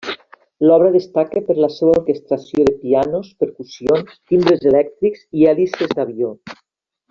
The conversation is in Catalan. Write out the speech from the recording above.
L'obra destaca per la seua orquestració de pianos, percussions, timbres elèctrics i hèlices d'avió.